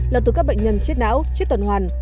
là từ các bệnh nhân chết não chết tuần hoàn